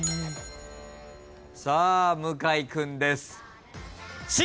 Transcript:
さあ向井君です。